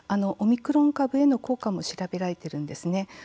オミクロン株への効果も調べられているんですね。